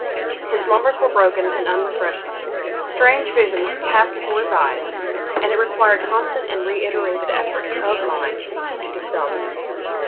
His slumbers were broken and unrefreshing; strange visions passed before his eyes, and it required constant and reiterated efforts of mind to dispel them.